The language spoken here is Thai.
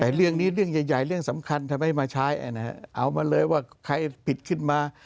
แต่เรื่องนี้เรื่องใหญ่เรื่องสำคัญทำไมมาใช้เอามาเลยว่าใครผิดขึ้นมา